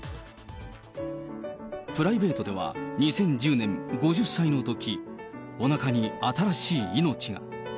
プライベートでは、２０１０年、５０歳のとき、おなかに新しい命が。